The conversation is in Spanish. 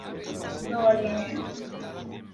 Nova Guinea.